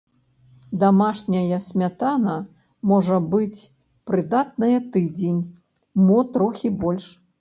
Дамашняя смятана можа быць прыдатная тыдзень, мо трохі больш.